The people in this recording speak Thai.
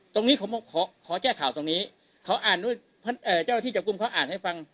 ตรงนี้ผมขอแก้ข่าวตรงนี้เขาอ่านด้วยเจ้าหน้าที่จับกลุ่มเขาอ่านให้ฟัง